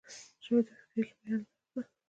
ژبه د فکري بیان لار ده.